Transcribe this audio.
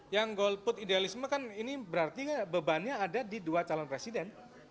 yang golput idealisme kan ini berarti bebannya ada di dua calon presiden